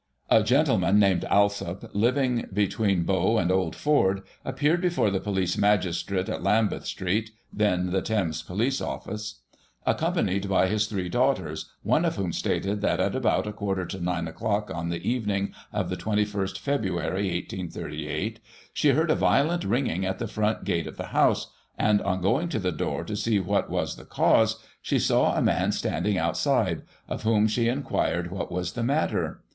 A gentleman named Alsop, living between Bow and Old Ford, appeared before the police magistrate at Lambeth Street (then the Thames Police Office) accompanied by his three daughters, one of whom stated that at about a quarter to nine o'clock on the evening of the 21st February, 1838, she heard a violent ringing at the front gate of the house, and, on going to the door to see what was the cause, she saw a man standing outside, of whom she enquired what was the matter.